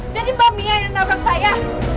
jadi ma mia yang namrakan saya